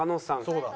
そうだ。